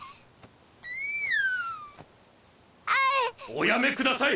おやめください。